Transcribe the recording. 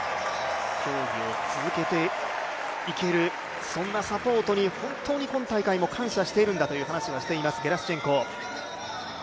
競技を続けていけるそんなサポートに本当に今大会も感謝しているんだという話をしていますゲラシュチェンコ。